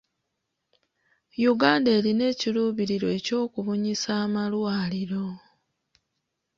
Uganda erina ekiruubirirwa ekyokubunyisa amalwaliro.